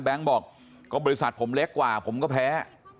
บอกก็บริษัทผมเล็กกว่าผมก็แพ้